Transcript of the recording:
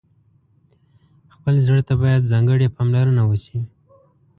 خپل زړه ته باید ځانګړې پاملرنه وشي.